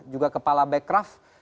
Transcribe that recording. juga kepala backcraft